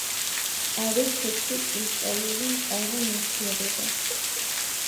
არის თეთრი კრისტალური მყარი ნივთიერება.